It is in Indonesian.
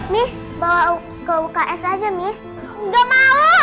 miss bawa ke uks aja miss enggak mau